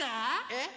えっ？